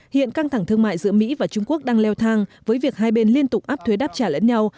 hiện căng thẳng thương mại giữa mỹ và trung quốc đang leo thang với việc hai bên liên tục áp thuế đáp trả lẫn nhau